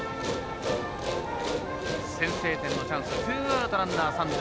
先制点のチャンスツーアウトランナー、三塁。